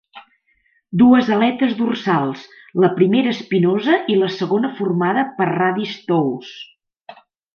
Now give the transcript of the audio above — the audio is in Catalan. Dues aletes dorsals: la primera espinosa i la segona formada per radis tous.